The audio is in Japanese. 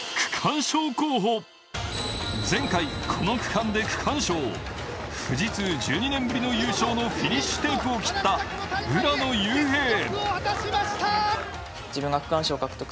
前回、この区間で区間賞富士通１２年ぶりの優勝のフィニッシュテープを切った浦野雄平。